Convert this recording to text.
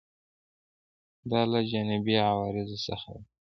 دا له جانبي عوارضو څخه ده.